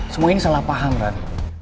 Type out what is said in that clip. semua ini salah paham kan